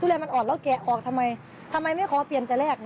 แรกมันอ่อนแล้วแกะออกทำไมทำไมไม่ขอเปลี่ยนแต่แรก